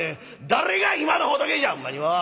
「誰が今の仏じゃほんまにもう！